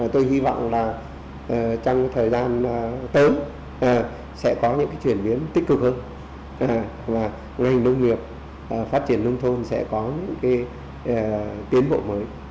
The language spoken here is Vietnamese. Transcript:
tôi hy vọng là trong thời gian tới sẽ có những chuyển biến tích cực hơn và ngành nông nghiệp phát triển nông thôn sẽ có những tiến bộ mới